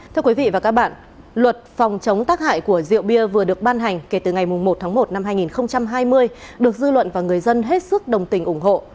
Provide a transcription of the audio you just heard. thưa quý vị và các bạn luật phòng chống tác hại của rượu bia vừa được ban hành kể từ ngày một tháng một năm hai nghìn hai mươi được dư luận và người dân hết sức đồng tình ủng hộ